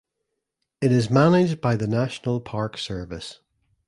It is managed by the National Park Service.